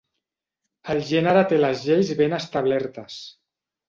El gènere té les lleis ben establertes.